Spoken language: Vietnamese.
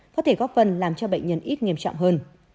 có thể góp phần làm cho bệnh nhân ít nghiêm trọng hơn